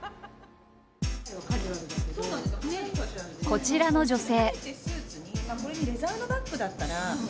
こちらの女性。